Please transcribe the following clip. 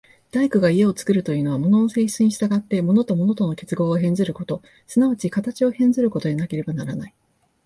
大工が家を造るというのは、物の性質に従って物と物との結合を変ずること、即ち形を変ずることでなければならない。